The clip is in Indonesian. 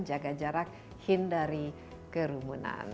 jaga jarak hindari kerumunan